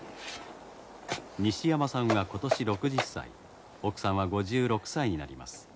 西山さんは今年６０歳奥さんは５６歳になります。